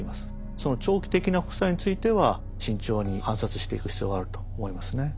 その長期的な副作用については慎重に観察していく必要があると思いますね。